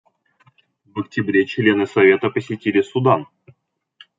В октябре члены Совета посетили Судан.